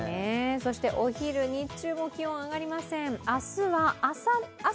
お昼、日中も気温は上がりません